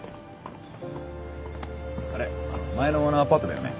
あれ前のあのアパートだよね。